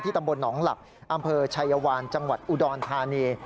ตำบลหนองหลักอำเภอชัยวานจังหวัดอุดรธานี